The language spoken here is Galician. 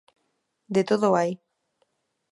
De todo hai.